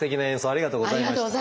ありがとうございます。